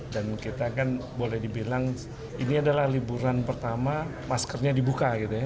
dan kita kan boleh dibilang ini adalah liburan pertama maskernya dibuka gitu ya